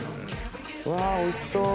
うわおいしそう！